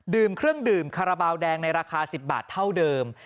เครื่องดื่มคาราบาลแดงในราคา๑๐บาทเท่าเดิม